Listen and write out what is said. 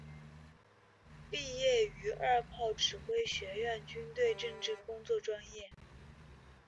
毕业于二炮指挥学院军队政治工作专业。